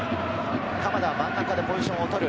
鎌田、真ん中でポジションをとる。